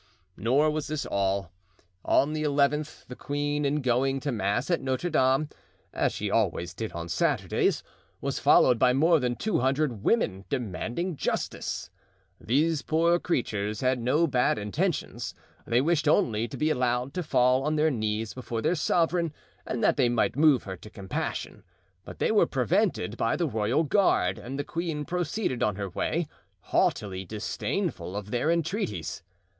Nor was this all. On the eleventh the queen in going to mass at Notre Dame, as she always did on Saturdays, was followed by more than two hundred women demanding justice. These poor creatures had no bad intentions. They wished only to be allowed to fall on their knees before their sovereign, and that they might move her to compassion; but they were prevented by the royal guard and the queen proceeded on her way, haughtily disdainful of their entreaties.